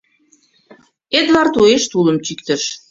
Эдвард уэш тулым чӱктыш.